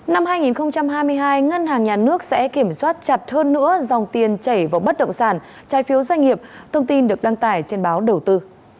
năm hai nghìn hai mươi hai ngân hàng nhà nước sẽ kiểm soát chặt hơn nữa dòng tiền chảy vào bất động sản trái phiếu doanh nghiệp thông tin được đăng tải trên báo đầu tư